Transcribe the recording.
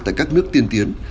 tại các nước tiên tiến